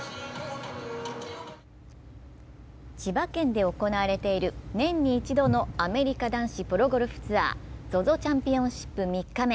千葉県で行われている年に１度のアメリカ男子プロゴルフツアー、ＺＯＺＯチャンピオンシップ３日目。